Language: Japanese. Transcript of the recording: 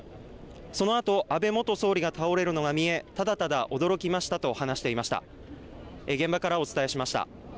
そのあと安倍元総理が倒れるのが見えただただ驚きましたと話していました。